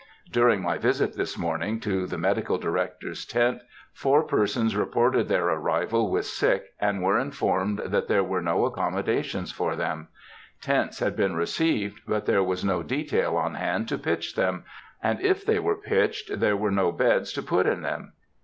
During my visit this morning to the Medical Director's tent, four persons reported their arrival with sick, and were informed that there were no accommodations for them. Tents had been received, but there was no detail on hand to pitch them, and if they were pitched, there were no beds to put in them.